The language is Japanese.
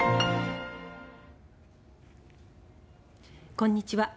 こんにちは。